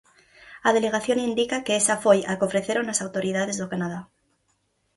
A Delegación indica que esa foi a que ofreceron as autoridades do Canadá.